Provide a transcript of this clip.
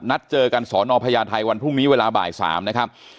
นัดเจอกันสอนอพญาไทยวันพรุ่งนี้เวลาบ่าย๓นะครับ